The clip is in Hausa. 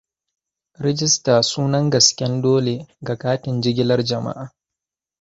rajista sunan gasken dole ga katin jigilar jama'a